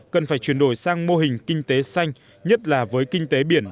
cần phải chuyển đổi sang mô hình kinh tế xanh nhất là với kinh tế biển